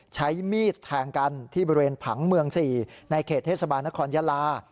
ใช้มีดแทงกันที่บริเวณผังเมือง๔ในเขตเทศบาลนครยาลา